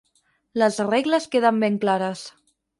Les regles queden ben clares.